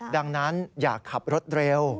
ดังนั้นอย่าขับรถเร็ว